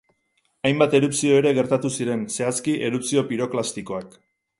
Hainbat erupzio ere gertatu ziren, zehazki, erupzio piroklastikoak.